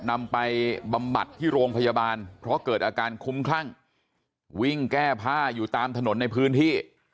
นำไปบำบัดที่โรงพยาบาลเพราะเกิดอาการคุ้มคลั่งวิ่งแก้ผ้าอยู่ตามถนนในพื้นที่